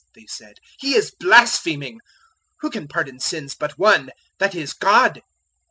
they said; "he is blaspheming. Who can pardon sins but One that is, God?"